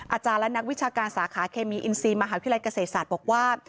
อาจารย์และนักวิชาการสาขาเคมีอินซีมหาวิทยาลัยเกษตรศาสตร์บอกว่า